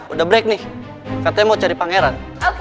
udah break nih katanya mau cari pangeran